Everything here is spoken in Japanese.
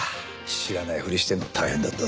知らないふりしてるの大変だったぞ。